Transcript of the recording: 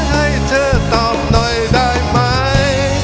ให้เธอตอบหน่อยได้ไหม